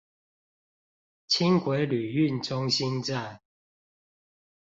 輕軌旅運中心站